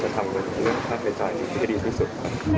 จะทำเรื่องฆ่าเกจายนี้ให้ดีที่สุดครับ